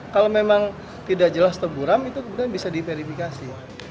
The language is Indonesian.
kalau memang tidak jelas atau buram itu kemudian bisa diverifikasi